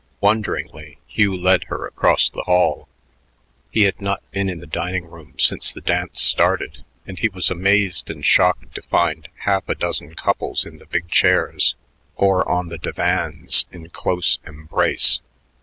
Wonderingly, Hugh led her across the hall. He had not been in the dining room since the dance started, and he was amazed and shocked to find half a dozen couples in the big chairs or on the divans in close embrace.